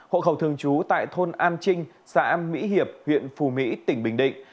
hộ khẩu thường trú tại thôn an trinh xã mỹ hiệp huyện phù mỹ tỉnh bình định